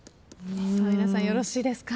皆さんよろしいですか？